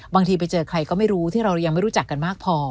บางทีไปเจอใครก็ไม่รู้ที่เรายังไม่รู้จักกันมากพอ